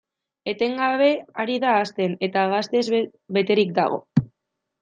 Etengabe ari da hazten, eta gaztez beterik dago.